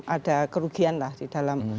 ada kerugian lah di dalam